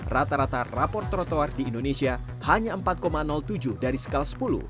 rata rata rapor terotoar di indonesia hanya empat tujuh dari sekal sepuluh